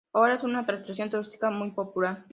Ahora es una atracción turística muy popular.